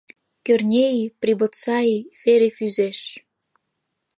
Кӧрнеи, Прибоцаи, Фери Фӱзеш...